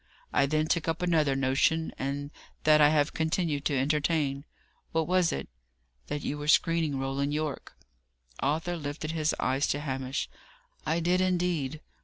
I then took up another notion, and that I have continued to entertain." "What was it?" "That you were screening Roland Yorke." Arthur lifted up his eyes to Hamish. "I did indeed.